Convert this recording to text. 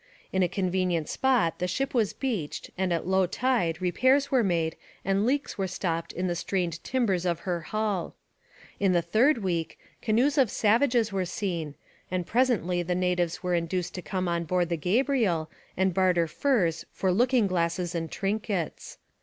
In a convenient spot the ship was beached and at low tide repairs were made and leaks were stopped in the strained timbers of her hull. In the third week, canoes of savages were seen, and presently the natives were induced to come on board the Gabriel and barter furs for looking glasses and trinkets.